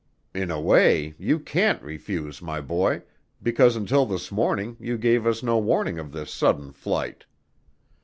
In a way you can't refuse, my boy, because until this morning you gave us no warning of this sudden flight."